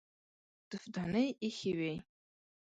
تفدانۍ ايښې وې.